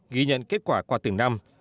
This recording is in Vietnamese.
ghi nhận kết quả qua từng năm